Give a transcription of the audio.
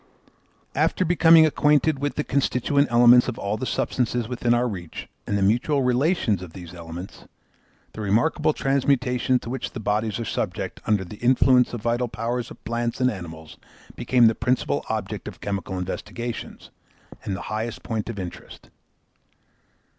After becoming acquainted with the constituent elements of all the substances within our reach and the mutual relations of these elements, the remarkable transmutations to which the bodies are subject under the influence of the vital powers of plants and animals, became the principal object of chemical investigations, and the highest point of interest.